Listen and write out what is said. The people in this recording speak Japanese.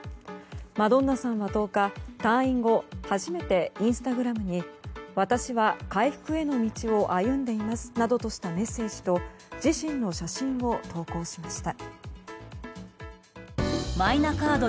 マドンナさんは１０日退院後、初めてインスタグラムに、私は回復への道を歩んでいますなどとしたメッセージと自身の写真を投稿しました。